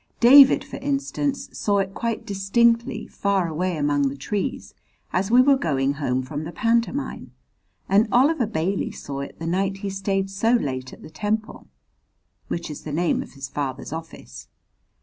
David, for instance, saw it quite distinctly far away among the trees as we were going home from the pantomime, and Oliver Bailey saw it the night he stayed so late at the Temple, which is the name of his father's office.